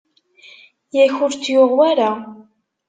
Yak ur tt-yuɣ wara?